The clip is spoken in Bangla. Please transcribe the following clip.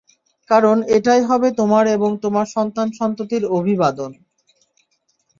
কারণ এটাই হবে তোমার এবং তোমার সন্তান-সন্ততির অভিবাদন।